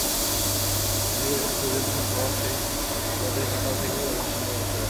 পৃথিবীর উপর সূর্যের বিশাল প্রভাব সেই প্রাগৈতিহাসিক কাল থেকেই মানুষ অনুধাবন করে আসছে।